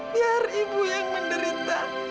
biar ibu yang menderita